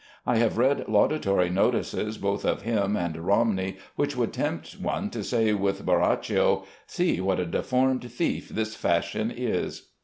I have read laudatory notices both of him and Romney which would tempt one to say with Borachio, "See what a deformed thief this Fashion is!"